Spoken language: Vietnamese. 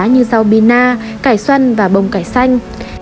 như rau bina cải xoăn và bông cải xanh